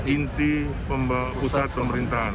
inti pusat pemerintahan